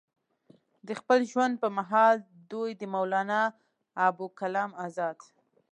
د خپل ژوند پۀ محال دوي د مولانا ابوالکلام ازاد